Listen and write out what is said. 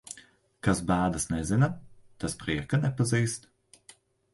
Kas bēdas nezina, tas prieka nepazīst.